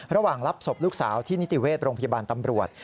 รับศพลูกสาวที่นิติเวชโรงพยาบาลตำรวจ